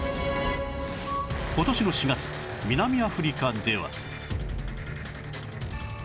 今年の４月南アフリカでは